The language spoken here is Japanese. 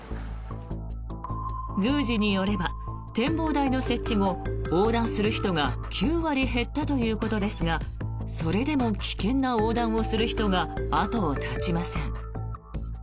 宮司によれば展望台の設置が横断する人が９割減ったということですがそれでも危険な横断をする人が後を絶ちません。